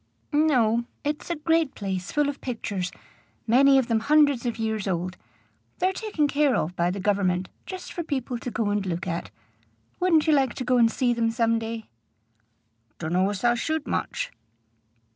"No. It's a great place full of pictures, many of them hundreds of years old. They're taken care of by the Government, just for people to go and look at. Wouldn't you like to go and see them some day?" "Donno as I should much."